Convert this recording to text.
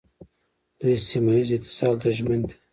دوی سیمه ییز اتصال ته ژمن دي.